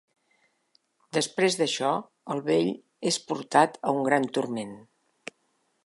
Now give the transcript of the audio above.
Després d'això, el vell és portat a un gran turment.